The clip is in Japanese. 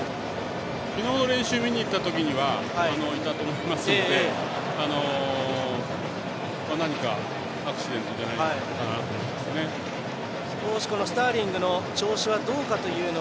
昨日の練習を見に行ったときはいたと思いますので何かアクシデントか何かじゃないかなと思いますね。